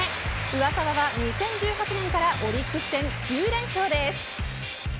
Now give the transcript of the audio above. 上沢は２０１８年からオリックス戦１０連勝です。